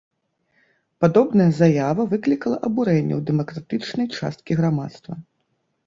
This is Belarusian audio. Падобная заява выклікала абурэнне ў дэмакратычнай часткі грамадства.